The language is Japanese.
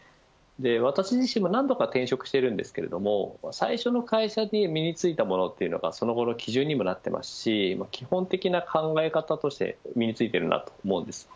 私自身も何度か転職しているんですけども最初の会社に身についたものというのがその後の基準にもなっていますし基本的な考え方として身に付いていると思います。